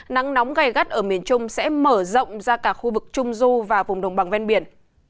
nắng nóng gai gắt ở miền trung sẽ mở rộng ra cả khu vực trung du và vùng đồng bằng ven biển